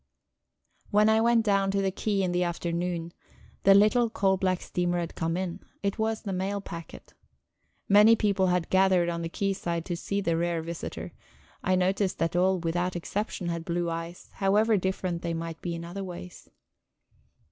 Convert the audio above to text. When I went down to the quay in the afternoon, the little coal black steamer had come in; it was the mail packet. Many people had gathered on the quayside to see the rare visitor; I noticed that all without exception had blue eyes, however different they might be in other ways.